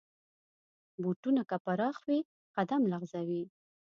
بوټونه که پراخ وي، قدم لغزوي.